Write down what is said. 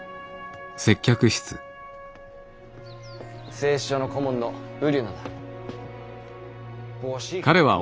製糸場の顧問のブリュナだ。